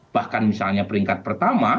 bahkan misalnya peringkat pertama